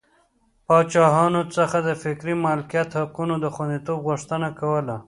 پاچاهانو څخه د فکري مالکیت حقونو د خوندیتوب غوښتنه کوله.